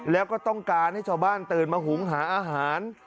แล้วก็ต้องการให้ชาวบ้านตื่นมาหุงหาอาหาร